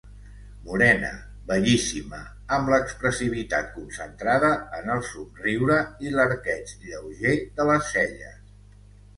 Morena, bellíssima, amb l'expressivitat concentrada en el somriure i l'arqueig lleuger de les celles.